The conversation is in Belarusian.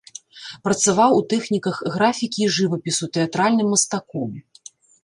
Працаваў у тэхніках графікі і жывапісу, тэатральным мастаком.